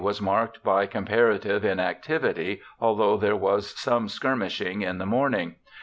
_] August 20 was marked by comparative inactivity, although there was some skirmishing in the morning.